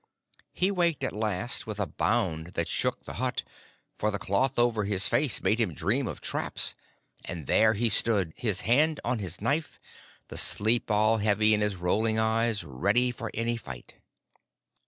He waked at last with a bound that shook the hut, for the cloth over his face made him dream of traps; and there he stood, his hand on his knife, the sleep all heavy in his rolling eyes, ready for any fight.